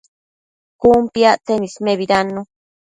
Cun piactsen ismebidannu